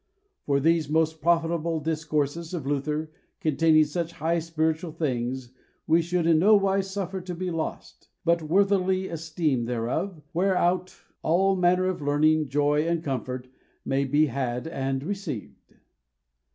For these most profitable Discourses of Luther, containing such high spiritual things, we should in nowise suffer to be lost, but worthily esteem thereof, whereout all manner of learning, joy, and comfort may be had and received.